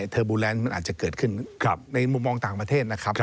เทอร์บูแลนด์มันอาจจะเกิดขึ้นในมุมมองต่างประเทศนะครับ